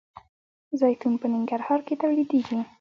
زیتون په ننګرهار کې تولیدیږي.